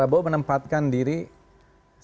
sejak beliau menempatkan diri di dalam kesejahteraan ini